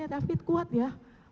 tante david kuat ya